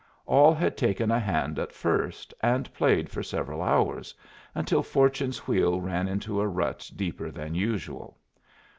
All had taken a hand at first, and played for several hours, until Fortune's wheel ran into a rut deeper than usual.